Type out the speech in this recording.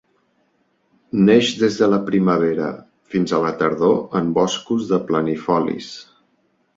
Neix des de la primavera fins a la tardor en boscos de planifolis.